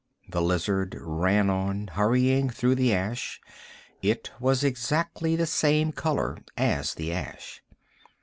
The lizard ran on, hurrying through the ash. It was exactly the same color as the ash.